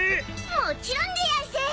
もちろんでやんす！